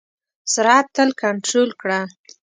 سرعت تل کنټرول کړه.